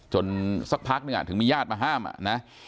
จนสักพักหนึ่งถึงมีญาติมาห้ามนะ